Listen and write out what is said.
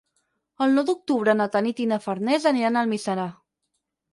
El nou d'octubre na Tanit i na Farners aniran a Almiserà.